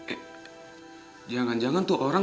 eh jangan jangan tuh orang